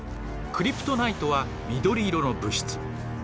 クリプトナイトは緑色の物質。